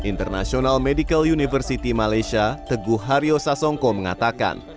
international medical university malaysia teguh haryo sasongko mengatakan